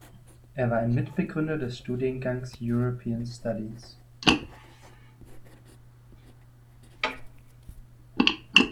Er war Mitbegründer des Studiengangs European Studies.